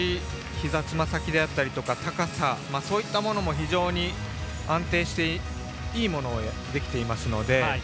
ひざ、つま先であったりとか高さ、そういったものも非常に安定していいものができていますので。